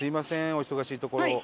お忙しいところ。